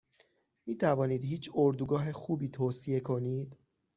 میتوانید هیچ اردوگاه خوبی توصیه کنید؟